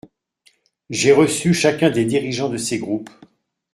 J’ai reçu chacun des dirigeants de ces groupes.